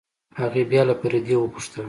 هغې بيا له فريدې وپوښتل.